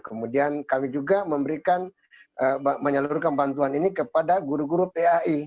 kemudian kami juga memberikan menyalurkan bantuan ini kepada guru guru pai